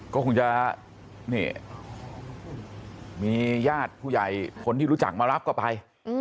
ก็คงจะนี่มีญาติผู้ใหญ่คนที่รู้จักมารับก็ไป